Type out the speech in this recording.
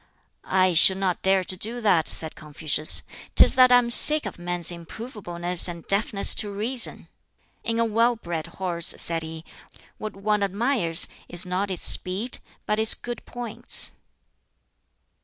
"I should not dare do that," said Confucius. "Tis that I am sick of men's immovableness and deafness to reason." "In a well bred horse," said he, "what one admires is not its speed, but its good points."